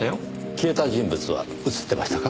消えた人物は映ってましたか？